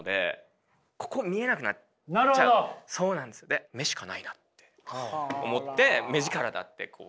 で目しかないなって思って目力だって。